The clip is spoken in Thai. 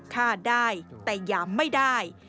ฆ่าได้แต่หยามไม่ได้